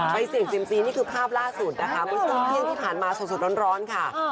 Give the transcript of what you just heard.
เสี่ยงเซียมซีนี่คือภาพล่าสุดนะคะเมื่อช่วงเที่ยงที่ผ่านมาสดร้อนค่ะ